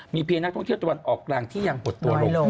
เพียงนักท่องเที่ยวตะวันออกกลางที่ยังหดตัวลง